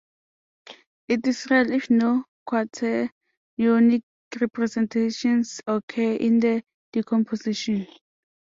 It is real if no quaternionic representations occur in the decomposition.